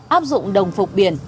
áp dụng đồng phục biển